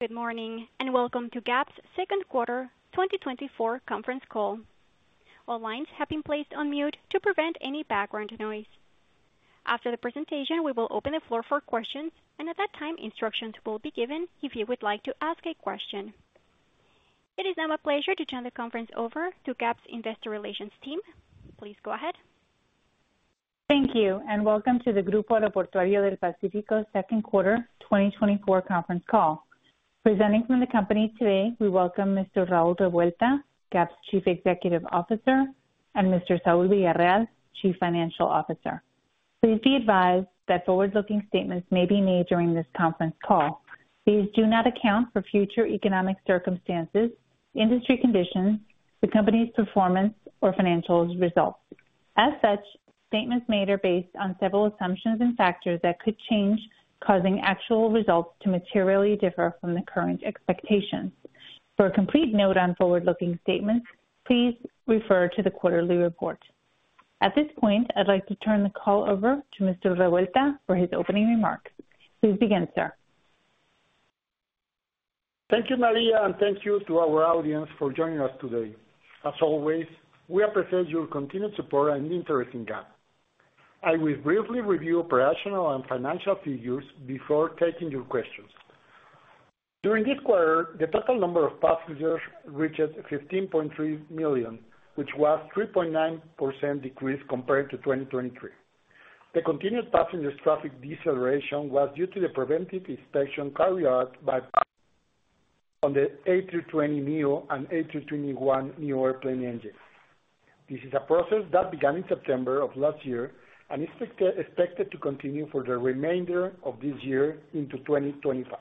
Good morning and welcome to GAP's second quarter 2024 conference call. All lines have been placed on mute to prevent any background noise. After the presentation, we will open the floor for questions, and at that time, instructions will be given if you would like to ask a question. It is now my pleasure to turn the conference over to GAP's Investor Relations team. Please go ahead. Thank you, and welcome to the Grupo Aeroportuario del Pacífico second quarter 2024 conference call. Presenting from the company today, we welcome Mr. Raúl Revuelta, GAP's Chief Executive Officer, and Mr. Saúl Villarreal, Chief Financial Officer. Please be advised that forward-looking statements may be made during this conference call. These do not account for future economic circumstances, industry conditions, the company's performance, or financial results. As such, statements made are based on several assumptions and factors that could change, causing actual results to materially differ from the current expectations. For a complete note on forward-looking statements, please refer to the quarterly report. At this point, I'd like to turn the call over to Mr. Revuelta for his opening remarks. Please begin, sir. Thank you, María, and thank you to our audience for joining us today. As always, we appreciate your continued support and interest in GAP. I will briefly review operational and financial figures before taking your questions. During this quarter, the total number of passengers reached 15.3 million, which was a 3.9% decrease compared to 2023. The continued passenger traffic deceleration was due to the preventive inspection carried out on the A320neo and A321neo airplane engines. This is a process that began in September of last year and is expected to continue for the remainder of this year into 2025.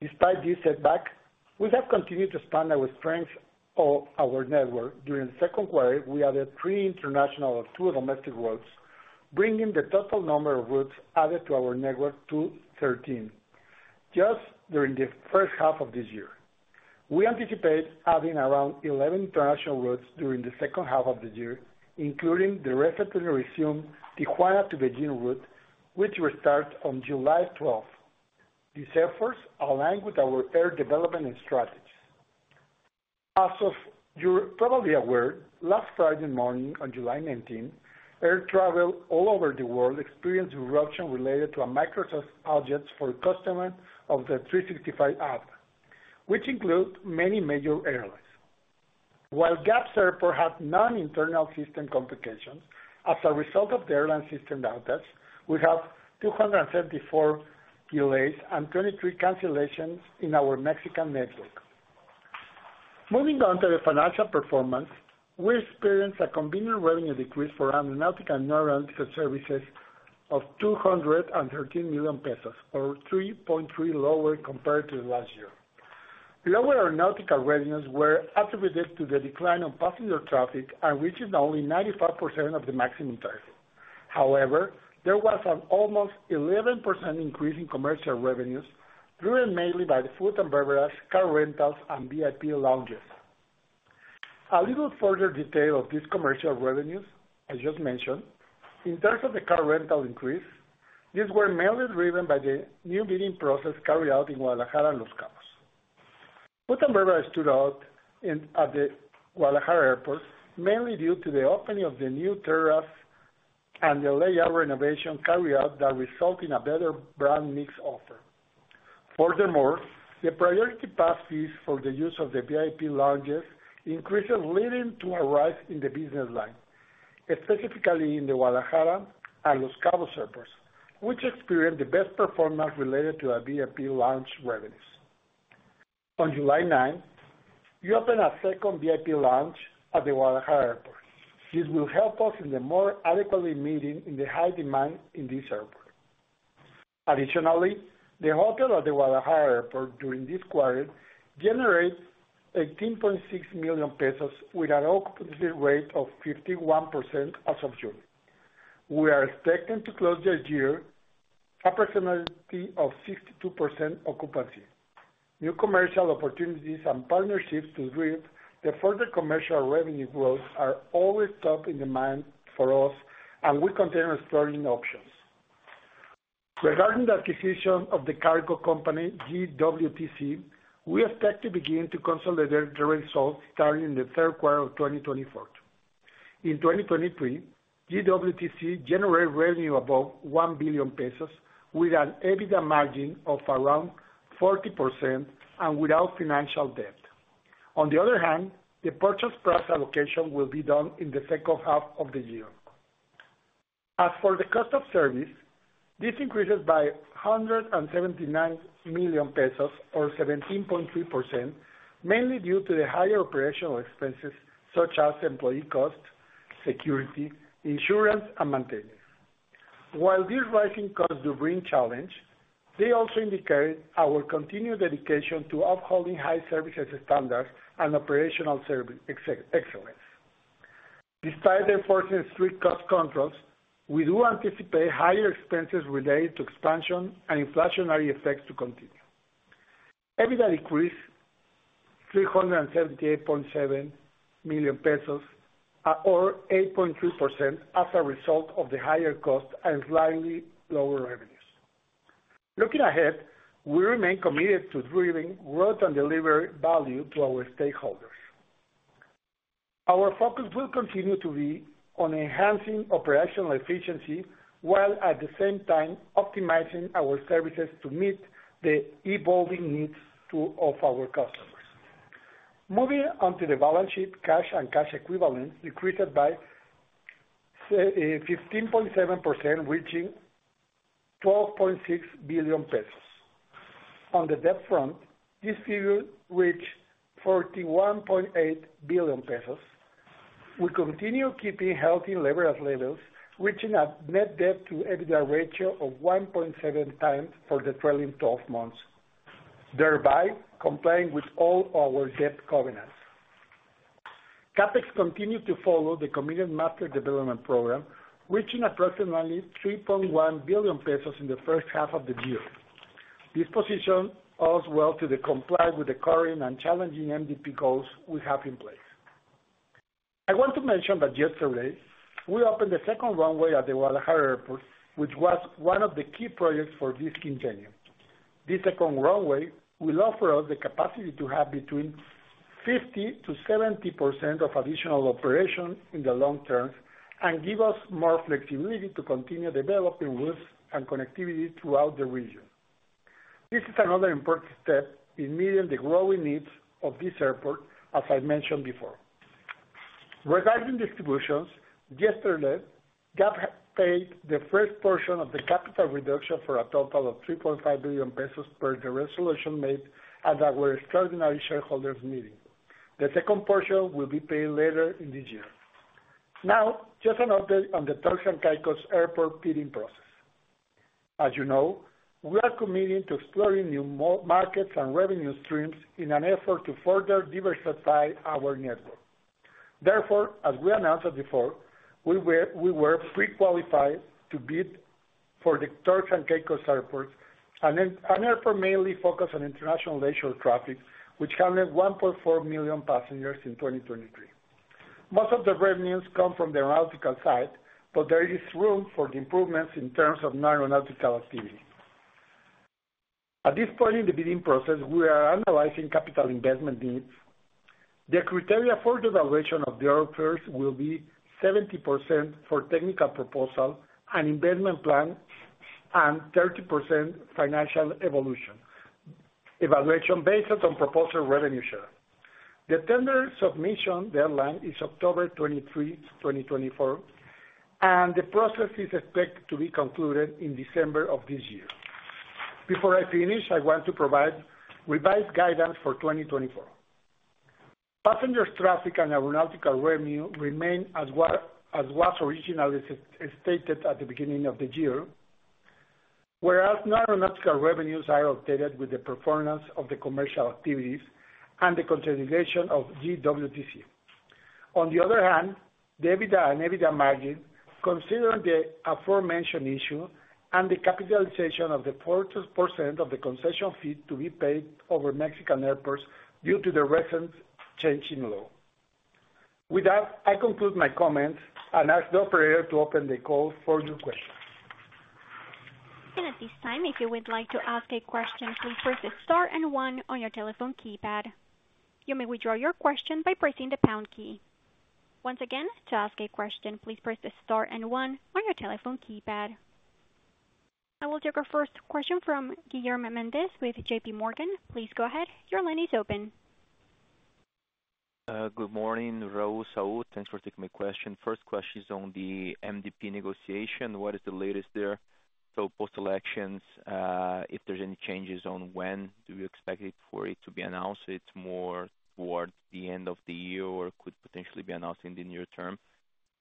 Despite this setback, we have continued to expand our strength of our network. During the second quarter, we added 3 international and 2 domestic routes, bringing the total number of routes added to our network to 13 just during the first half of this year. We anticipate adding around 11 international routes during the second half of the year, including the recently resumed Tijuana to Beijing route, which will start on July 12. These efforts align with our air development and strategies. As you're probably aware, last Friday morning, on July 19, air travel all over the world experienced disruption related to a Microsoft product for customers of the 365 app, which includes many major airlines. While GAP's airport had no internal system complications as a result of the airline system outage, we had 274 delays and 23 cancellations in our Mexican network. Moving on to the financial performance, we experienced a combined revenue decrease for aeronautical and non-aeronautical services of 213 million pesos, or 3.3% lower compared to last year. Lower aeronautical revenues were attributed to the decline of passenger traffic, which is only 95% of the maximum target. However, there was an almost 11% increase in commercial revenues, driven mainly by the food and beverage, car rentals, and VIP lounges. A little further detail of these commercial revenues, as just mentioned, in terms of the car rental increase, these were mainly driven by the new bidding process carried out in Guadalajara and Los Cabos. Food and beverage stood out at the Guadalajara airport, mainly due to the opening of the new terrace and the layout renovation carried out that resulted in a better brand mix offer. Furthermore, the Priority Pass fees for the use of the VIP lounges increased, leading to a rise in the business line, specifically in the Guadalajara and Los Cabos airports, which experienced the best performance related to the VIP lounge revenues. On July 9, we opened a second VIP lounge at the Guadalajara airport. This will help us in more adequately meeting the high demand in this airport. Additionally, the hotel at the Guadalajara airport during this quarter generated 18.6 million pesos with an occupancy rate of 51% as of June. We are expecting to close the year with an approximately 62% occupancy. New commercial opportunities and partnerships to drive the further commercial revenue growth are always top in demand for us, and we continue exploring options. Regarding the acquisition of the cargo company GWTC, we expect to begin to consolidate the results starting in the third quarter of 2024. In 2023, GWTC generated revenue above 1 billion pesos, with an EBITDA margin of around 40% and without financial debt. On the other hand, the purchase price allocation will be done in the second half of the year. As for the cost of service, this increased by 179 million pesos, or 17.3%, mainly due to the higher operational expenses such as employee costs, security, insurance, and maintenance. While these rising costs do bring challenges, they also indicate our continued dedication to upholding high service standards and operational excellence. Despite the enforcing strict cost controls, we do anticipate higher expenses related to expansion and inflationary effects to continue. EBITDA decreased 378.7 million pesos, or 8.3%, as a result of the higher costs and slightly lower revenues. Looking ahead, we remain committed to driving growth and delivering value to our stakeholders. Our focus will continue to be on enhancing operational efficiency while, at the same time, optimizing our services to meet the evolving needs of our customers. Moving on to the balance sheet, cash and cash equivalents decreased by 15.7%, reaching 12.6 billion pesos. On the debt front, this figure reached 41.8 billion pesos. We continue keeping healthy leverage levels, reaching a net debt-to-EBITDA ratio of 1.7 times for the trailing 12 months, thereby complying with all our debt covenants. CapEx continued to follow the Master Development Program, reaching approximately 3.1 billion pesos in the first half of the year. This position owes well to complying with the current and challenging MDP goals we have in place. I want to mention that yesterday, we opened the second runway at the Guadalajara airport, which was one of the key projects for this quinquennial. This second runway will offer us the capacity to have between 50%-70% of additional operations in the long term and give us more flexibility to continue developing routes and connectivity throughout the region. This is another important step in meeting the growing needs of this airport, as I mentioned before. Regarding distributions, yesterday, GAP paid the first portion of the capital reduction for a total of 3.5 billion pesos per the resolution made and that were extraordinary shareholders' meetings. The second portion will be paid later in this year. Now, just an update on the Turks and Caicos Airport bidding process. As you know, we are committing to exploring new markets and revenue streams in an effort to further diversify our network. Therefore, as we announced before, we were pre-qualified to bid for the Turks and Caicos Airports, an airport mainly focused on international leisure traffic, which handled 1.4 million passengers in 2023. Most of the revenues come from the aeronautical side, but there is room for improvements in terms of non-aeronautical activity. At this point in the bidding process, we are analyzing capital investment needs. The criteria for the valuation of the offers will be 70% for technical proposal and investment plan and 30% financial evaluation based on proposed revenue share. The tender submission deadline is October 23, 2024, and the process is expected to be concluded in December of this year. Before I finish, I want to provide revised guidance for 2024. Passenger traffic and aeronautical revenue remain as was originally stated at the beginning of the year, whereas non-aeronautical revenues are updated with the performance of the commercial activities and the consolidation of GWTC. On the other hand, the EBITDA and EBITDA margin, considering the aforementioned issue and the capitalization of the 4% of the concession fee to be paid over Mexican airports due to the recent change in law. With that, I conclude my comments and ask the operator to open the call for your questions. At this time, if you would like to ask a question, please press the star and one on your telephone keypad. You may withdraw your question by pressing the pound key. Once again, to ask a question, please press the star and one on your telephone keypad. I will take our first question from Guillermo Mendez with JPMorgan. Please go ahead. Your line is open. Good morning, Raúl, Saúl. Thanks for taking my question. First question is on the MDP negotiation. What is the latest there? So post-elections, if there's any changes on when do we expect it for it to be announced? It's more towards the end of the year or could potentially be announced in the near term.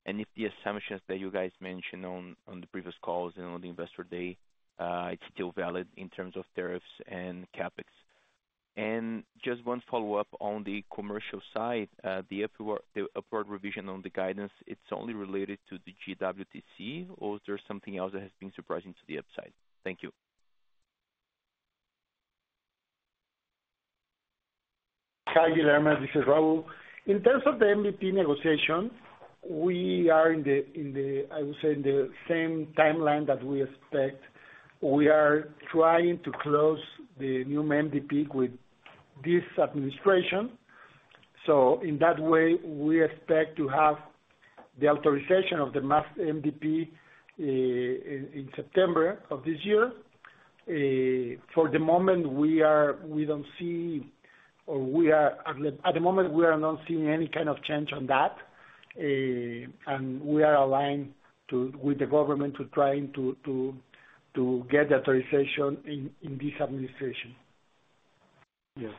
And if the assumptions that you guys mentioned on the previous calls and on the investor day, it's still valid in terms of tariffs and CapEx. And just one follow-up on the commercial side, the upward revision on the guidance, it's only related to the GWTC or there's something else that has been surprising to the upside? Thank you. Hi, Guillermo. This is Raúl. In terms of the MDP negotiation, we are in the, I would say, in the same timeline that we expect. We are trying to close the new MDP with this administration. So in that way, we expect to have the authorization of the MDP in September of this year. For the moment, we don't see, or we are, at the moment, we are not seeing any kind of change on that, and we are aligned with the government to try to get the authorization in this administration. Yes.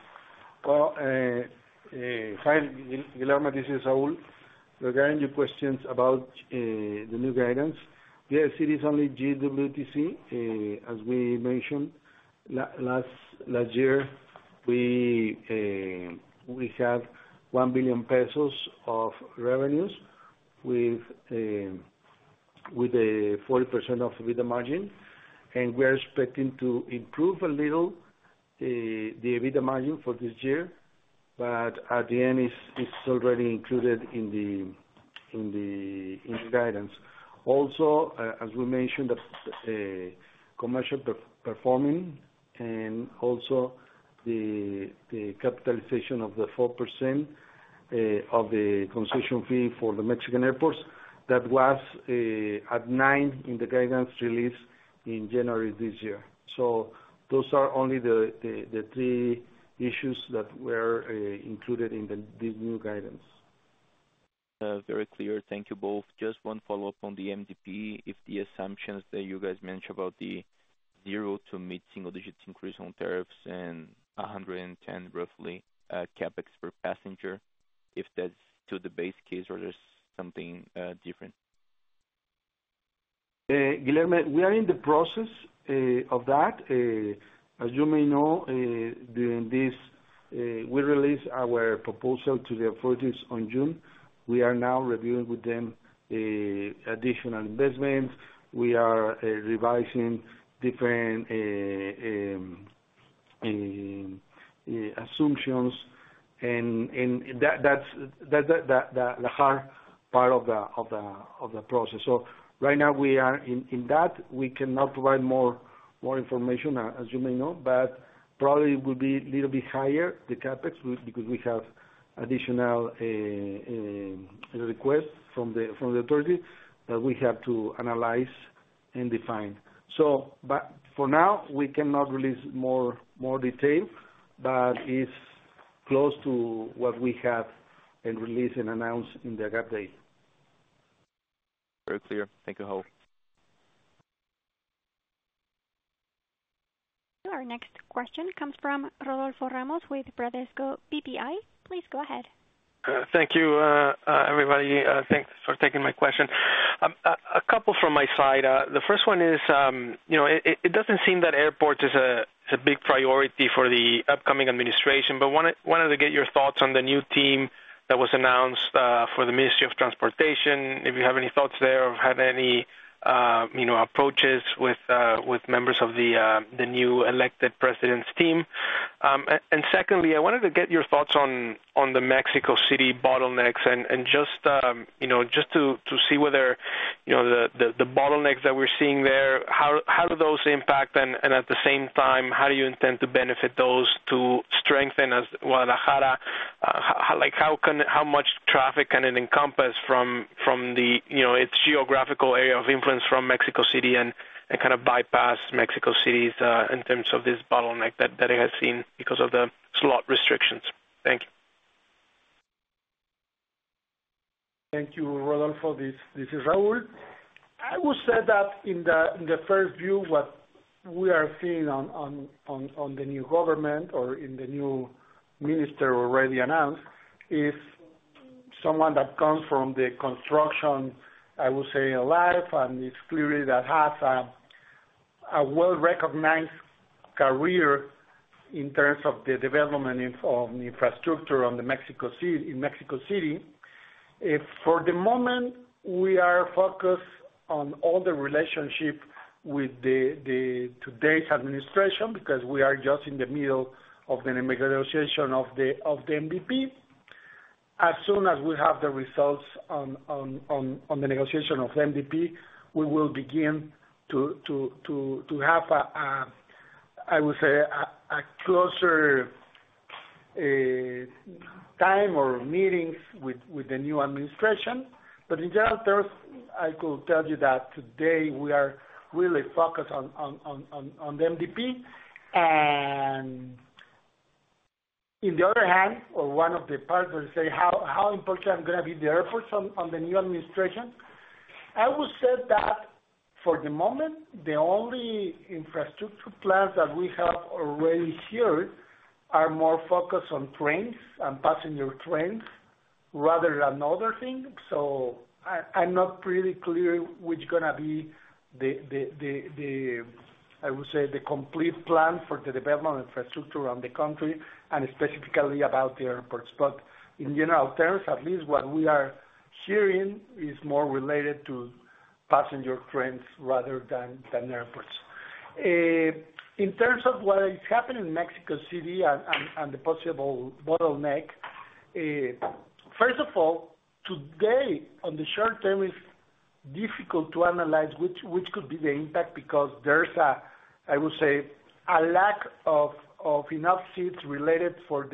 Well, hi, Guillermo. This is Saúl. Regarding your questions about the new guidance, yes, it is only GWTC. As we mentioned last year, we had 1 billion pesos of revenues with 40% EBITDA margin, and we are expecting to improve a little the EBITDA margin for this year, but at the end, it's already included in the guidance. Also, as we mentioned, the commercial performing and also the capitalization of the 4% of the concession fee for the Mexican airports, that was at 9 in the guidance released in January this year. So those are only the three issues that were included in this new guidance. Very clear. Thank you both. Just one follow-up on the MDP. If the assumptions that you guys mentioned about the 0% to mid-single-digit % increase on tariffs and 110, roughly, CapEx per passenger, if that's still the base case or there's something different? Guillermo, we are in the process of that. As you may know, during this, we released our proposal to the authorities in June. We are now reviewing with them additional investments. We are revising different assumptions, and that's the hard part of the process. So right now, we are in that. We cannot provide more information, as you may know, but probably it will be a little bit higher, the CapEx because we have additional requests from the authority that we have to analyze and define. So for now, we cannot release more detail, but it's close to what we have been released and announced in the GAP Day. Very clear. Thank you, Raúl. Our next question comes from Rodolfo Ramos with Bradesco BBI. Please go ahead. Thank you, everybody. Thanks for taking my question. A couple from my side. The first one is, it doesn't seem that airports is a big priority for the upcoming administration, but wanted to get your thoughts on the new team that was announced for the Ministry of Transportation, if you have any thoughts there or had any approaches with members of the new elected president's team. And secondly, I wanted to get your thoughts on the Mexico City bottlenecks and just to see whether the bottlenecks that we're seeing there, how do those impact? And at the same time, how do you intend to benefit those to strengthen Guadalajara? How much traffic can it encompass from its geographical area of influence from Mexico City and kind of bypass Mexico City in terms of this bottleneck that it has seen because of the slot restrictions? Thank you. Thank you, Rodolfo. This is Raúl. I would say that in the first view, what we are seeing in the new government or in the new minister already announced is someone that comes from the construction industry, I would say, and it's clear that he has a well-recognized career in terms of the development of infrastructure in Mexico City. For the moment, we are focused on all the relationship with today's administration because we are just in the middle of the negotiation of the MDP. As soon as we have the results on the negotiation of the MDP, we will begin to have, I would say, a closer time or meetings with the new administration. But in general, I could tell you that today we are really focused on the MDP. On the other hand, or one of the parts that say, how important are going to be the airports in the new administration? I would say that for the moment, the only infrastructure plans that we have already here are more focused on trains and passenger trains rather than other things. So I'm not pretty clear which is going to be the, I would say, the complete plan for the development of infrastructure around the country and specifically about the airports. But in general terms, at least what we are hearing is more related to passenger trains rather than airports. In terms of what is happening in Mexico City and the possible bottleneck, first of all, today, in the short term, it's difficult to analyze which could be the impact because there's a, I would say, a lack of enough seats related on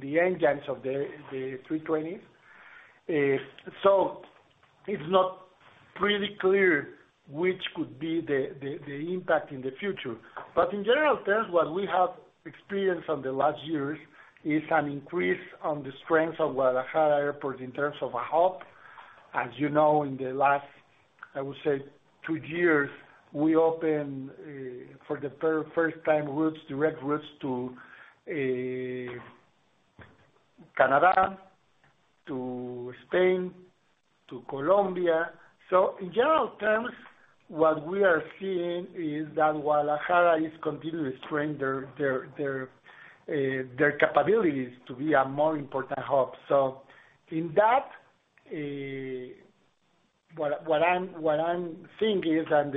the engines of the A320s. So it's not pretty clear which could be the impact in the future. But in general terms, what we have experienced in the last years is an increase in the strength of Guadalajara Airport in terms of a hub. As you know, in the last, I would say, 2 years, we opened for the very first time direct routes to Canada, to Spain, to Colombia. So in general terms, what we are seeing is that Guadalajara is continuing to strengthen their capabilities to be a more important hub. So in that, what I'm seeing is that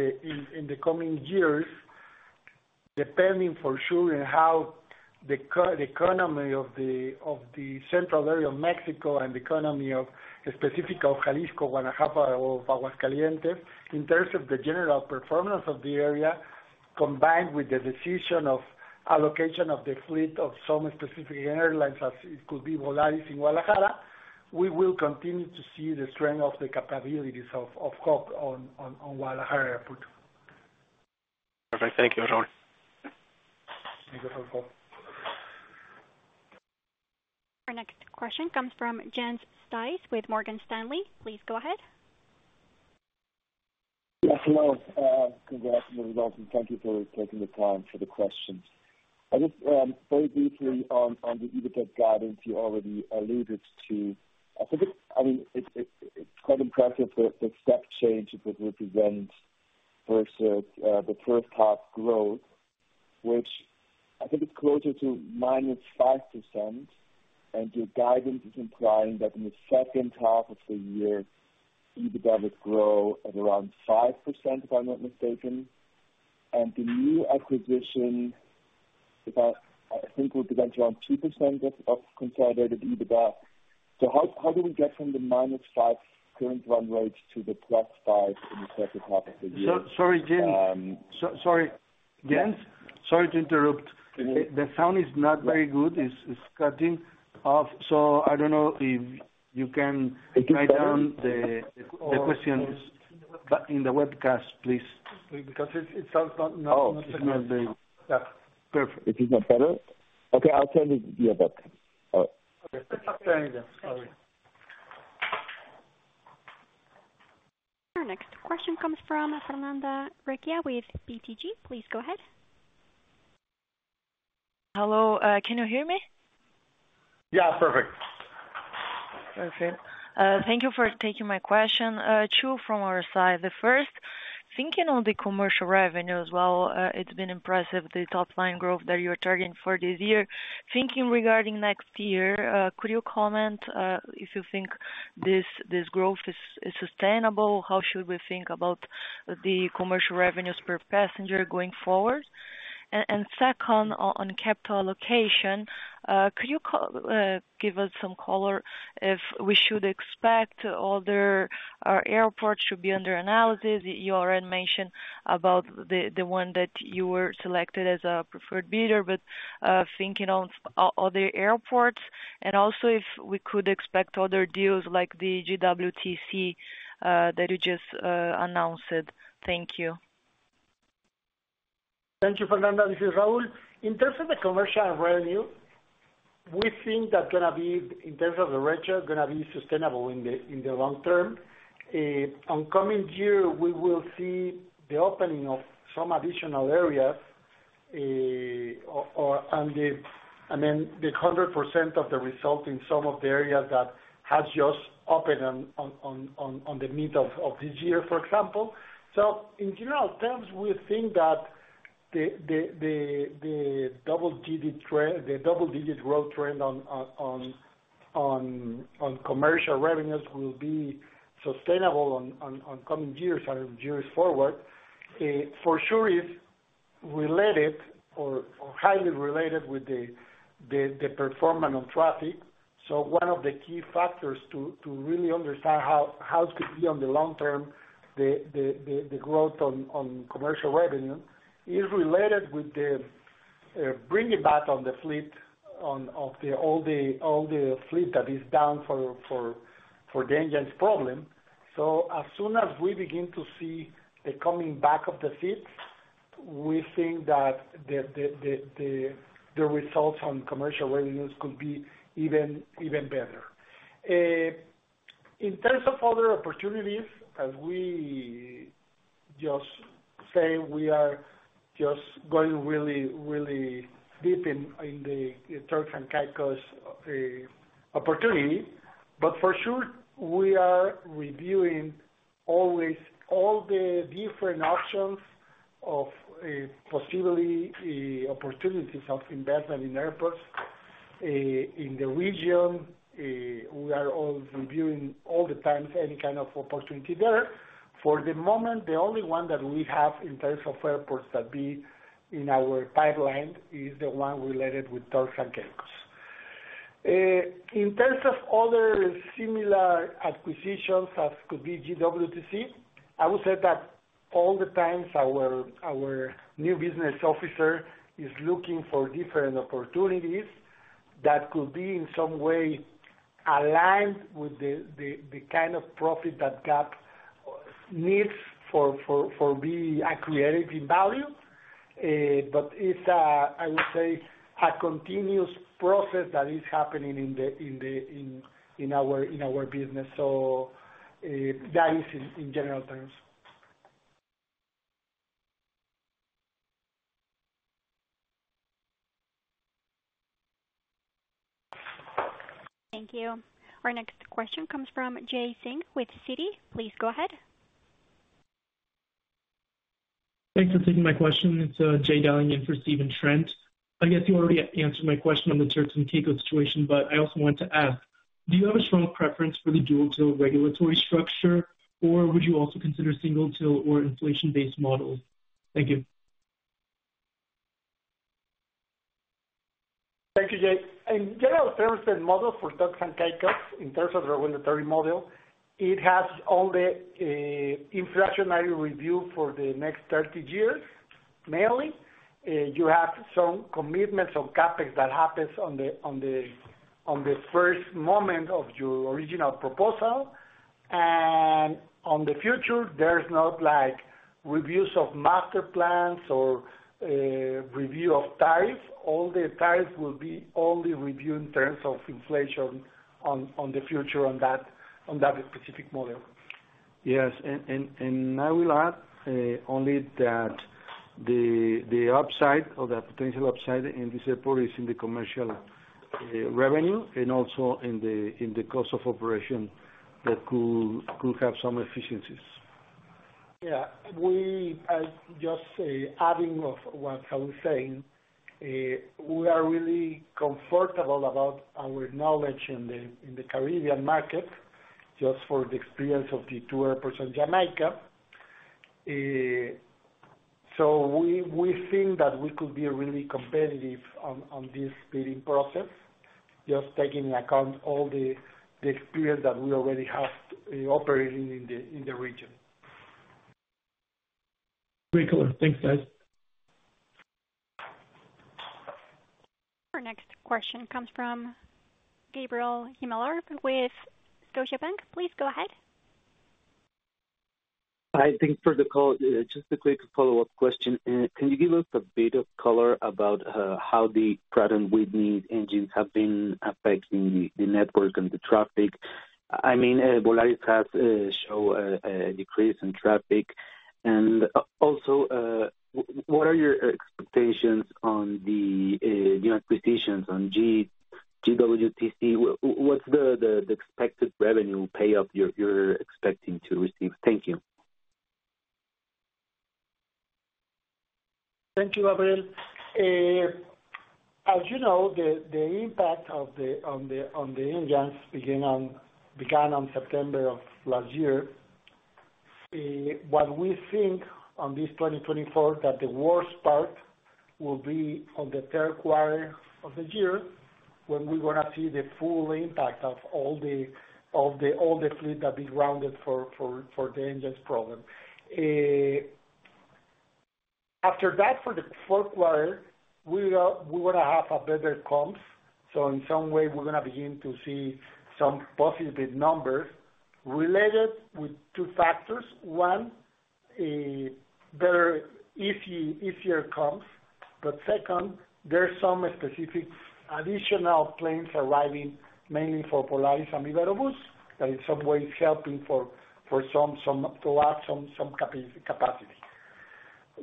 in the coming years, depending for sure on how the economy of the central area of Mexico and the economy specifically of Jalisco, Guanajuato, or Aguascalientes, in terms of the general performance of the area, combined with the decision of allocation of the fleet of some specific airlines as it could be realized in Guadalajara, we will continue to see the strength of the capabilities of GAP on Guadalajara Airport. Perfect. Thank you, Raúl. Thank you, Rodolfo. Our next question comes from Jens Spiess with Morgan Stanley. Please go ahead. Yes, hello. Congrats, on the results. Thank you for taking the time for the question. I guess very briefly on the EBITDA guidance you already alluded to. I think it's quite impressive the step change that it represents versus the first half growth, which I think is closer to -5%. And your guidance is implying that in the second half of the year, EBITDA would grow at around 5%, if I'm not mistaken. And the new acquisition, I think, will be around 2% of consolidated EBITDA. So how do we get from the -5 current run rates to the +5 in the second half of the year? Sorry, Jens. Sorry, Jens. Sorry to interrupt. The sound is not very good. It's cutting off. So I don't know if you can write down the question in the webcast, please. Because it sounds not. Oh, it's not there. Perfect. Is it not better? Okay, I'll turn the earbud. All right. Okay. Thanks, Jens. Sorry. Our next question comes from Fernanda Recchia with BTG. Please go ahead. Hello. Can you hear me? Yeah, perfect. Perfect. Thank you for taking my question. Two from our side. The first, thinking on the commercial revenues, while it's been impressive, the top-line growth that you're targeting for this year, thinking regarding next year, could you comment if you think this growth is sustainable? How should we think about the commercial revenues per passenger going forward? And second, on capital allocation, could you give us some color if we should expect other airports to be under analysis? You already mentioned about the one that you were selected as a preferred bidder, but thinking of other airports, and also if we could expect other deals like the GWTC that you just announced. Thank you. Thank you, Fernanda. This is Raúl. In terms of the commercial revenue, we think that's going to be, in terms of the ratio, going to be sustainable in the long term. In the coming year, we will see the opening of some additional areas, and then the 100% of the resulting sum of the areas that has just opened in the midst of this year, for example. So in general terms, we think that the double-digit growth trend on commercial revenues will be sustainable in the coming years and years forward. For sure, it's related or highly related with the performance on traffic. So one of the key factors to really understand how it could be on the long term, the growth on commercial revenue, is related with the bringing back on the fleet of all the fleet that is down for the engines problem. So as soon as we begin to see the coming back of the seats, we think that the results on commercial revenues could be even better. In terms of other opportunities, as we just say, we are just going really, really deep in the Turks and Caicos opportunity. But for sure, we are reviewing always all the different options of possibility opportunities of investment in airports in the region. We are all reviewing all the times any kind of opportunity there. For the moment, the only one that we have in terms of airports that be in our pipeline is the one related with Turks and Caicos. In terms of other similar acquisitions that could be GWTC, I would say that at all times our New Business Officer is looking for different opportunities that could be in some way aligned with the kind of profile that GAP needs for being accretive to value. It's, I would say, a continuous process that is happening in our business. That is in general terms. Thank you. Our next question comes from Jay Singh with Citi. Please go ahead. Thanks for taking my question. It's Jay Singh in for Stephen Trent. I guess you already answered my question on the Turks and Caicos situation, but I also wanted to ask, do you have a strong preference for the dual-till regulatory structure, or would you also consider single-till or inflation-based models? Thank you. Thank you, Jay. In general terms, the model for Turks and Caicos, in terms of regulatory model, it has only inflationary review for the next 30 years, mainly. You have some commitments on CapEx that happens on the first moment of your original proposal. And on the future, there's not reviews of master plans or review of tariffs. All the tariffs will be only reviewed in terms of inflation on the future on that specific model. Yes. I will add only that the upside or the potential upside in this airport is in the commercial revenue and also in the cost of operation that could have some efficiencies. Yeah. Just adding what I was saying, we are really comfortable about our knowledge in the Caribbean market, just for the experience of the two airports in Jamaica. We think that we could be really competitive on this bidding process, just taking into account all the experience that we already have operating in the region. Great color. Thanks, guys. Our next question comes from Gabriel Himelfarb with Scotiabank. Please go ahead. Hi. Thanks for the call. Just a quick follow-up question. Can you give us a bit of color about how the Pratt & Whitney engines have been affecting the network and the traffic? I mean, Volaris has shown a decrease in traffic. And also, what are your expectations on the new acquisitions on GWTC? What's the expected revenue payoff you're expecting to receive? Thank you. Thank you, Gabriel. As you know, the impact on the engines began in September of last year. What we think on this 2024, that the worst part will be on the third quarter of the year when we're going to see the full impact of all the fleet that we grounded for the engines problem. After that, for the fourth quarter, we're going to have a better comps. So in some way, we're going to begin to see some positive numbers related with two factors. One, better, easier comps. But second, there's some specific additional planes arriving mainly for Volaris and Viva Aerobus that in some ways helping to add some capacity.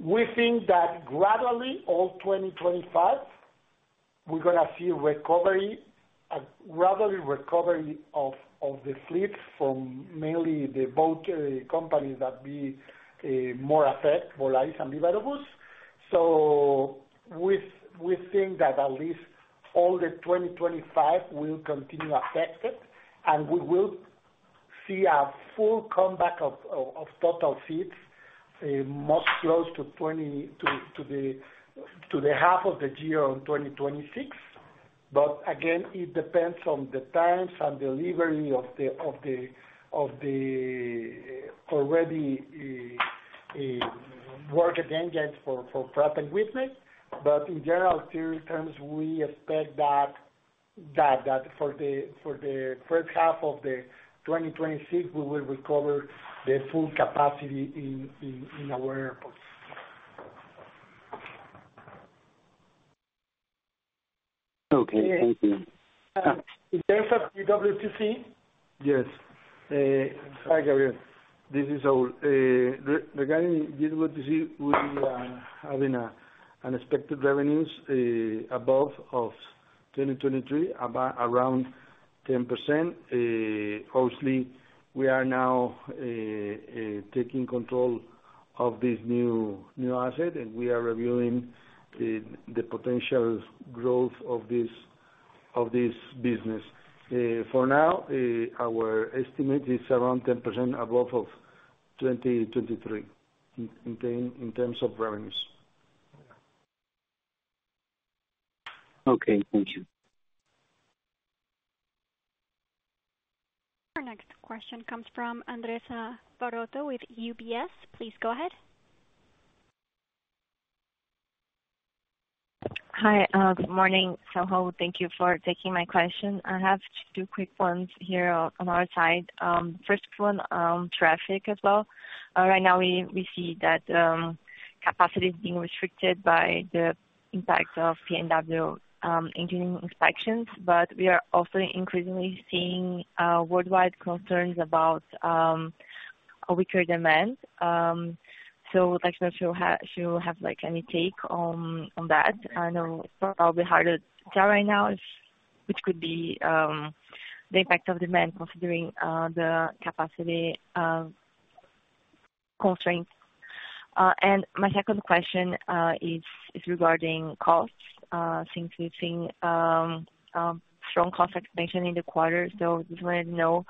We think that gradually, all 2025, we're going to see a gradually recovery of the fleet from mainly the low-cost companies that be more affected, Volaris and Viva Aerobus. So we think that at least all the 2025 will continue affected, and we will see a full comeback of total seats most close to the half of the year on 2026. But again, it depends on the times and delivery of the already working engines for Pratt & Whitney. But in general terms, we expect that for the first half of the 2026, we will recover the full capacity in our airports. Okay. Thank you. In terms of GWTC? Yes. Hi, Gabriel. This is Raúl. Regarding GWTC, we are having unexpected revenues above 2023, around 10%. Obviously, we are now taking control of this new asset, and we are reviewing the potential growth of this business. For now, our estimate is around 10% above 2023 in terms of revenues. Okay. Thank you. Our next question comes from Andressa Varotto with UBS. Please go ahead. Hi. Good morning. So Raúl, thank you for taking my question. I have two quick ones here on our side. First one, traffic as well. Right now, we see that capacity is being restricted by the impact of P&W engineering inspections. But we are also increasingly seeing worldwide concerns about weaker demand. So I'd like to know if you have any take on that. I know it's probably hard to tell right now, which could be the impact of demand considering the capacity constraints. And my second question is regarding costs. Since we've seen strong cost expansion in the quarter, so I just wanted to know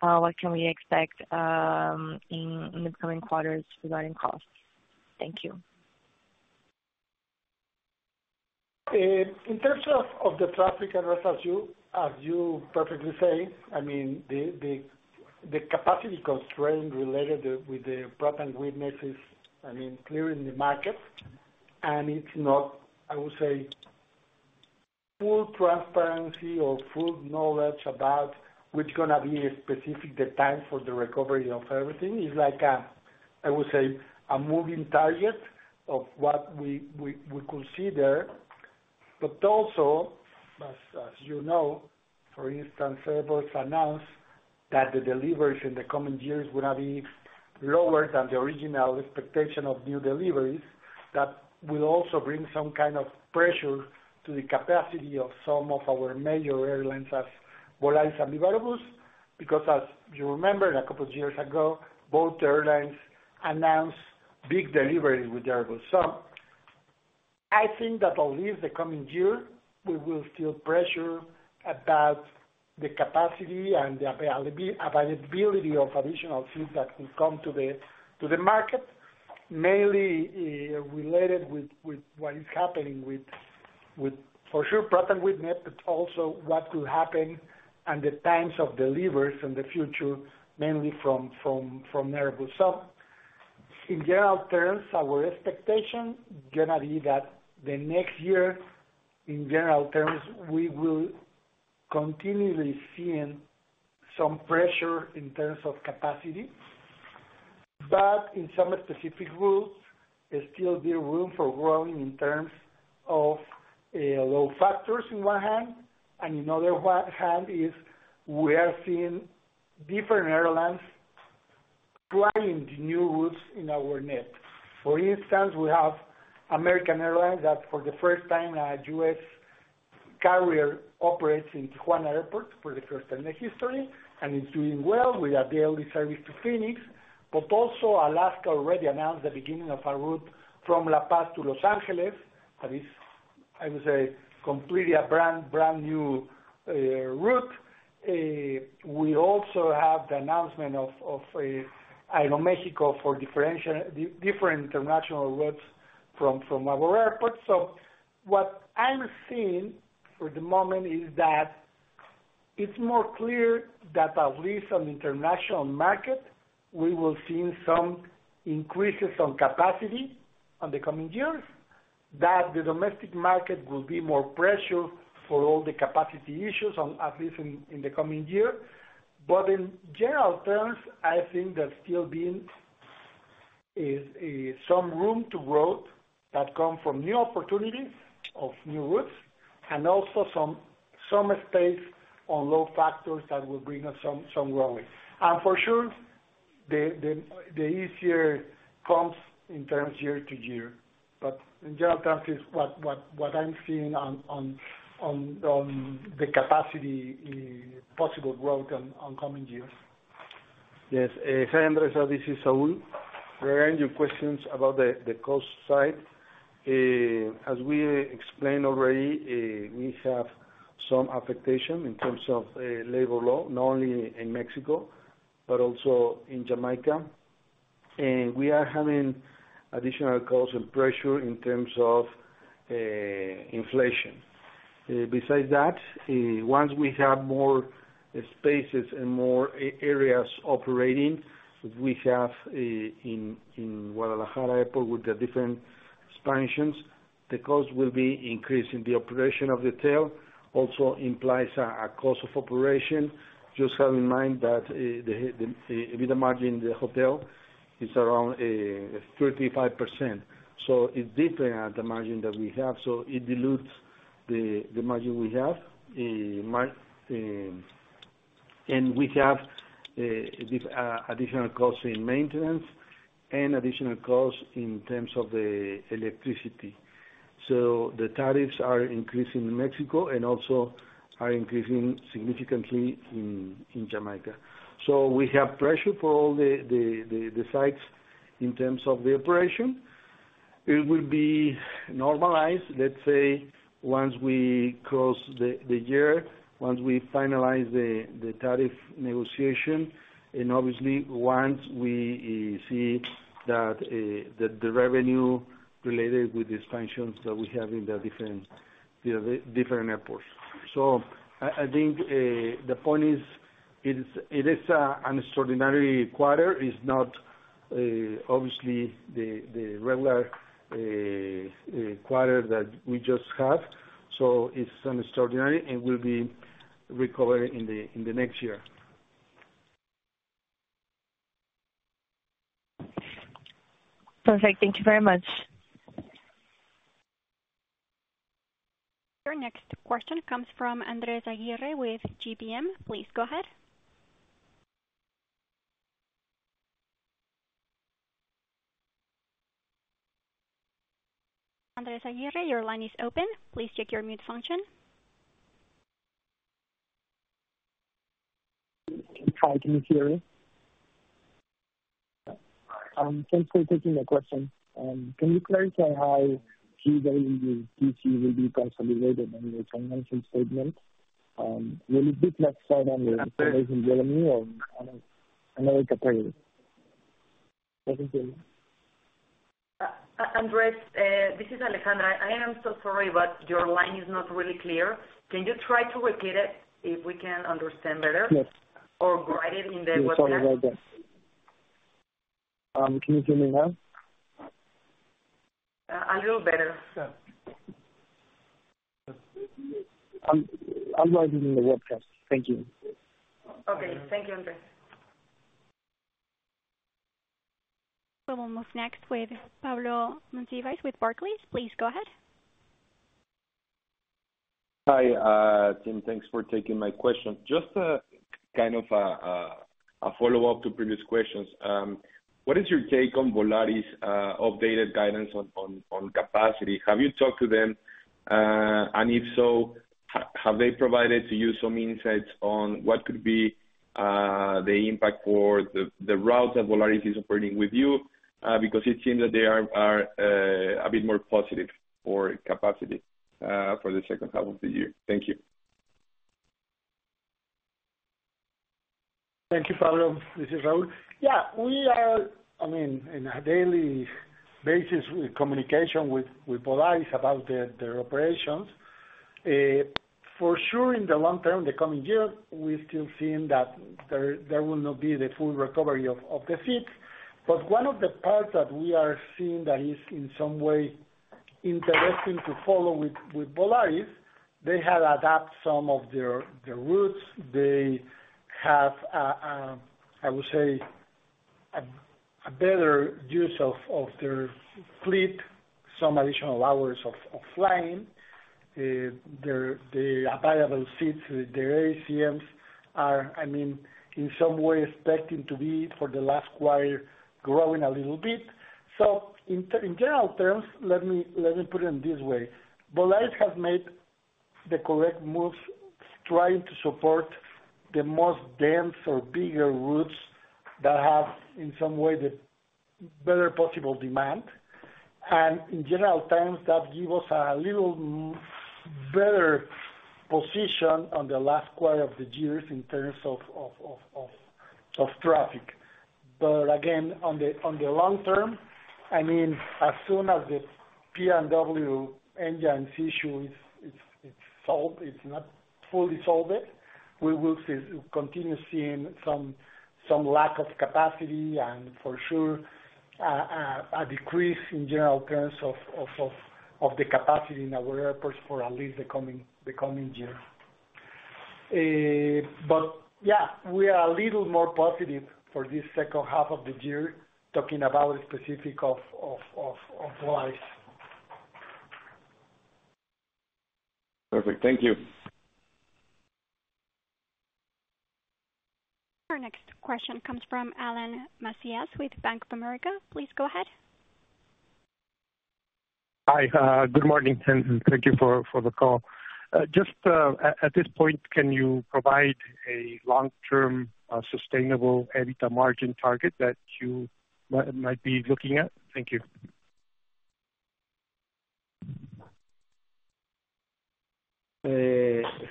what can we expect in the coming quarters regarding costs. Thank you. In terms of the traffic, as you perfectly say, I mean, the capacity constraint related with the Pratt & Whitney is clear in the market. And it's not, I would say, full transparency or full knowledge about which is going to be specific the time for the recovery of everything. It's like, I would say, a moving target of what we consider. But also, as you know, for instance, Airbus announced that the deliveries in the coming years are going to be lower than the original expectation of new deliveries. That will also bring some kind of pressure to the capacity of some of our major airlines as Volaris and Viva Aerobus. Because as you remember, a couple of years ago, both airlines announced big deliveries with Airbus. So I think that at least the coming year, we will feel pressure about the capacity and the availability of additional seats that will come to the market, mainly related with what is happening with, for sure, Pratt & Whitney, but also what could happen and the times of deliveries in the future, mainly from Airbus. So in general terms, our expectation is going to be that the next year, in general terms, we will continually see some pressure in terms of capacity. But in some specific routes, there's still room for growing in terms of load factors on one hand. And on the other hand, we are seeing different airlines trying new routes in our network. For instance, we have American Airlines that for the first time, a U.S. carrier operates in Tijuana Airport for the first time in history, and it's doing well with a daily service to Phoenix. But also, Alaska already announced the beginning of a route from La Paz to Los Angeles. That is, I would say, completely a brand new route. We also have the announcement of Aeroméxico for different international routes from our airport. So what I'm seeing for the moment is that it's more clear that at least on the international market, we will see some increases on capacity in the coming years, that the domestic market will be more pressured for all the capacity issues, at least in the coming year. In general terms, I think there's still some room to grow that comes from new opportunities of new routes, and also some space on load factors that will bring us some growth. For sure, the easier comps in terms year to year. In general terms, it's what I'm seeing on the capacity possible growth in coming years. Yes. Hi, Andressa. This is Saúl. Regarding your questions about the cost side, as we explained already, we have some affectation in terms of labor law, not only in Mexico, but also in Jamaica. And we are having additional costs and pressure in terms of inflation. Besides that, once we have more spaces and more areas operating, we have in Guadalajara Airport with the different expansions, the cost will be increasing. The operation of the hotel also implies a cost of operation. Just have in mind that the margin in the hotel is around 35%. So it depends on the margin that we have. So it dilutes the margin we have. And we have additional costs in maintenance and additional costs in terms of the electricity. So the tariffs are increasing in Mexico and also are increasing significantly in Jamaica. So we have pressure for all the sites in terms of the operation. It will be normalized, let's say, once we close the year, once we finalize the tariff negotiation, and obviously, once we see that the revenue related with the expansions that we have in the different airports. So I think the point is it is an extraordinary quarter. It's not obviously the regular quarter that we just have. So it's an extraordinary and will be recovering in the next year. Perfect. Thank you very much. Your next question comes from Andressa Aguirre with GBM. Please go ahead. Andressa Aguirre, your line is open. Please check your mute function. Hi. Can you hear me? Thanks for taking the question. Can you clarify how GWTC will be consolidated in the financial statement? Will it be classified under aeronautical or another category? Thank you. Andressa, this is Alejandra. I am so sorry, but your line is not really clear. Can you try to repeat it if we can understand better? Or write it in the webcast? I'm sorry about that. Can you hear me now? A little better. Yeah. I'll write it in the webcast. Thank you. Okay. Thank you, Andressa. We'll move next with Pablo Monsivais with Barclays. Please go ahead. Hi, Tim. Thanks for taking my question. Just kind of a follow-up to previous questions. What is your take on Volaris' updated guidance on capacity? Have you talked to them? And if so, have they provided to you some insights on what could be the impact for the route that Volaris is operating with you? Because it seems that they are a bit more positive for capacity for the second half of the year. Thank you. Thank you, Pablo. This is Raúl. Yeah. We are, I mean, on a daily basis, we're in communication with Volaris about their operations. For sure, in the long term, the coming year, we're still seeing that there will not be the full recovery of the seats. But one of the parts that we are seeing that is in some way interesting to follow with Volaris, they have adapted some of their routes. They have, I would say, a better use of their fleet, some additional hours of flying. The available seats, their ASMs are, I mean, in some ways, expecting to be for the last quarter, growing a little bit. So in general terms, let me put it this way. Volaris has made the correct moves trying to support the most dense or bigger routes that have in some way the better possible demand. And in general terms, that gives us a little better position on the last quarter of the years in terms of traffic. But again, on the long term, I mean, as soon as the P&W engine issue, it's fully solved, we will continue seeing some lack of capacity and for sure a decrease in general terms of the capacity in our airports for at least the coming year. But yeah, we are a little more positive for this second half of the year talking about specifics of Volaris. Perfect. Thank you. Our next question comes from Alan Macias with Bank of America. Please go ahead. Hi. Good morning. Thank you for the call. Just at this point, can you provide a long-term sustainable EBITDA margin target that you might be looking at? Thank you.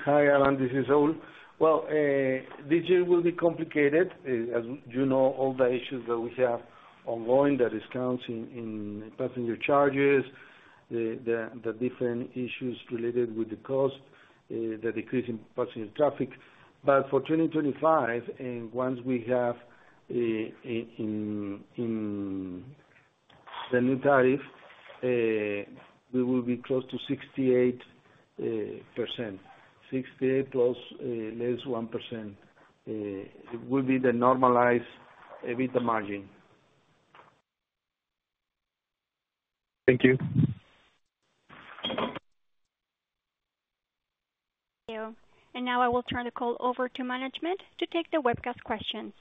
Hi, Alan. This is Raúl. Well, this year will be complicated. As you know, all the issues that we have ongoing, the discounts in passenger charges, the different issues related with the cost, the decrease in passenger traffic. But for 2025, and once we have the new tariff, we will be close to 68%. 68 plus less 1%. It will be the normalized EBITDA margin. Thank you. Thank you. And now I will turn the call over to management to take the webcast questions.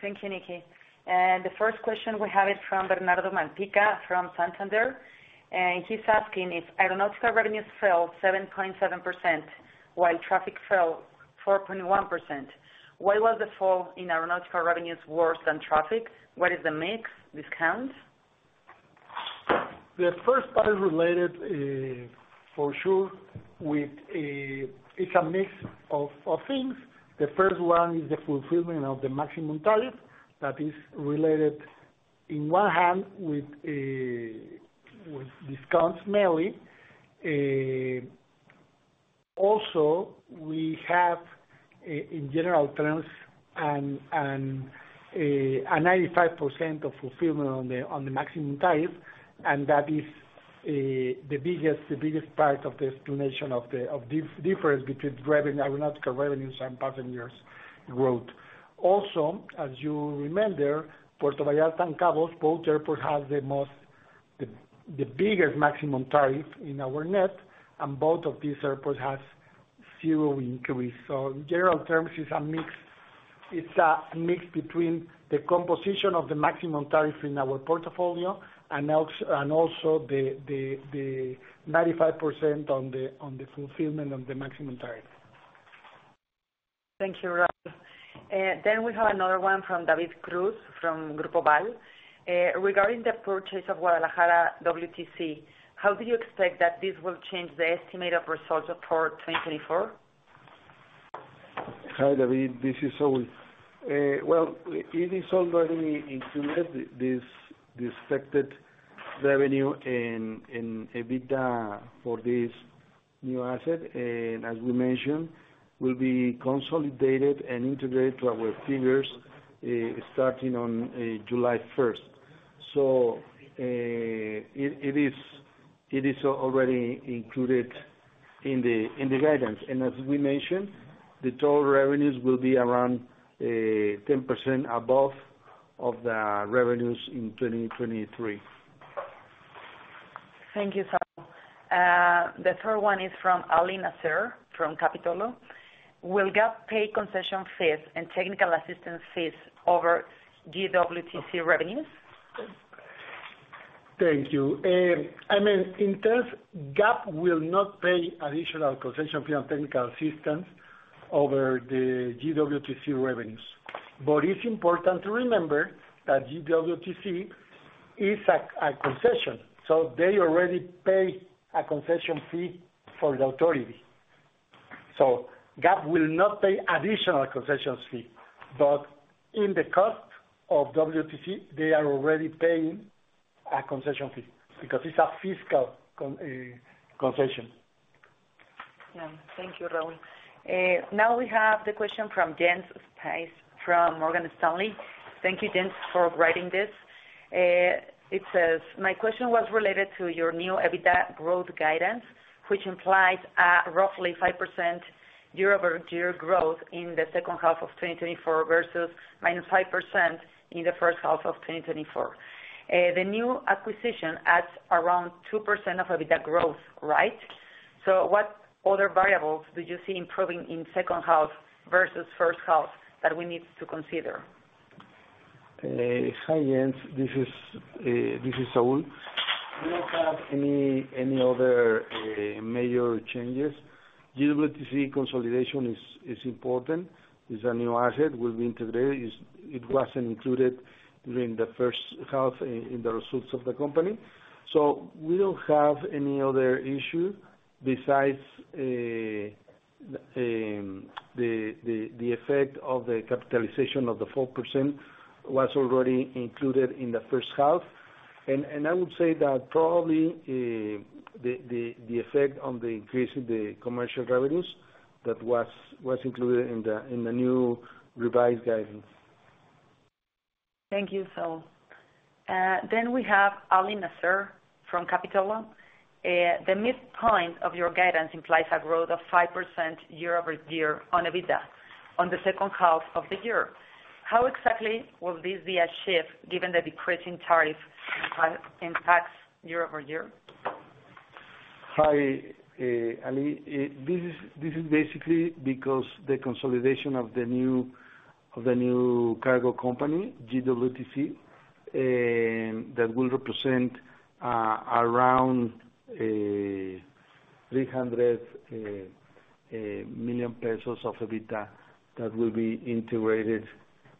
Thank you, Nicky. The first question we have is from Bernardo Malpica from Santander. He's asking if aeronautical revenues fell 7.7% while traffic fell 4.1%. Why was the fall in aeronautical revenues worse than traffic? What is the mix? Discounts? The first part is related, for sure, with it's a mix of things. The first one is the fulfillment of the maximum tariff that is related, on one hand, with discounts mainly. Also, we have, in general terms, a 95% of fulfillment on the maximum tariff. And that is the biggest part of the explanation of the difference between aeronautical revenues and passenger route. Also, as you remember, Puerto Vallarta and Los Cabos both airports have the biggest maximum tariff in our net. And both of these airports have zero increase. In general terms, it's a mix between the composition of the maximum tariff in our portfolio and also the 95% on the fulfillment of the maximum tariff. Thank you, Raúl. Then we have another one from David Cruz from Grupo Aval. Regarding the purchase of Guadalajara WTC, how do you expect that this will change the estimated results for 2024? Hi, David. This is Saúl. Well, it is already included this expected revenue in EBITDA for this new asset. And as we mentioned, will be consolidated and integrated to our figures starting on July 1st. So it is already included in the guidance. And as we mentioned, the total revenues will be around 10% above the revenues in 2023. Thank you, Saúl. The third one is from Alina Serra from Capitolo. Will GAP pay concession fees and technical assistance fees over GWTC revenues? Thank you. I mean, in terms of GAP, we will not pay additional concession fee on technical assistance over the GWTC revenues. But it's important to remember that GWTC is a concession. So they already pay a concession fee for the authority. So GAP will not pay additional concession fee. But in the cost of GWTC, they are already paying a concession fee because it's a fiscal concession. Yeah. Thank you, Raúl. Now we have the question from Jens Spiess from Morgan Stanley. Thank you, Jens, for writing this. It says, "My question was related to your new EBITDA growth guidance, which implies a roughly 5% year-over-year growth in the second half of 2024 versus -5% in the first half of 2024. The new acquisition adds around 2% of EBITDA growth, right? So what other variables do you see improving in second half versus first half that we need to consider? Hi, Jens. This is Saúl. We don't have any other major changes. GWTC consolidation is important. It's a new asset. It will be integrated. It wasn't included during the first half in the results of the company. So we don't have any other issue besides the effect of the capitalization of the 4% was already included in the first half. And I would say that probably the effect on the increase in the commercial revenues that was included in the new revised guidance. Thank you, Saúl. Then we have Alina Serra from Capitolo. The midpoint of your guidance implies a growth of 5% year-over-year on EBITDA on the second half of the year. How exactly will this be achieved given the decreasing tariff impacts year-over-year? Hi, Ali. This is basically because the consolidation of the new cargo company, GWTC, that will represent around MXN 300 million of EBITDA that will be integrated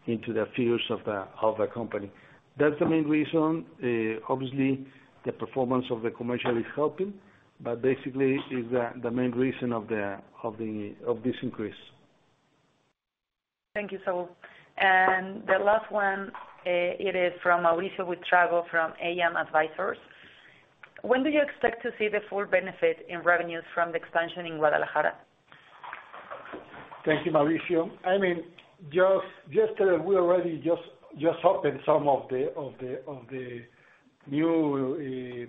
into the figures of the company. That's the main reason. Obviously, the performance of the commercial is helping, but basically, it's the main reason of this increase. Thank you, Saúl. The last one, it is from Mauricio Buitrago from AM Advisors. When do you expect to see the full benefit in revenues from the expansion in Guadalajara? Thank you, Mauricio. I mean, we already just opened some of the new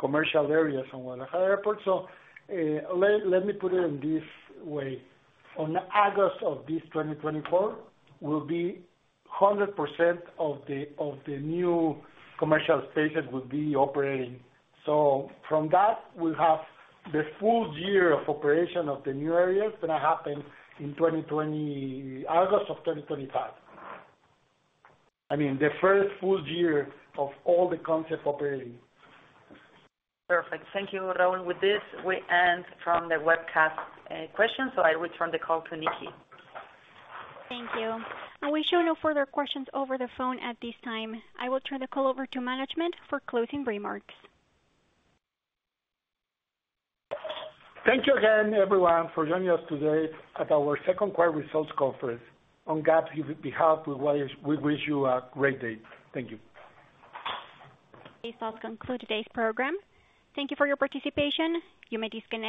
commercial areas on Guadalajara Airport. So let me put it in this way. On August of this 2024, 100% of the new commercial spaces will be operating. So from that, we'll have the full year of operation of the new areas that happened in August of 2025. I mean, the first full year of all the concept operating. Perfect. Thank you, Raúl. With this, we end from the webcast questions. I will turn the call to Nicky. Thank you. We show no further questions over the phone at this time. I will turn the call over to management for closing remarks. Thank you again, everyone, for joining us today at our second quarter results conference. On GAP's behalf, we wish you a great day. Thank you. This does conclude today's program. Thank you for your participation. You may disconnect.